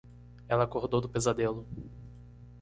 Ela acordou do pesadelo.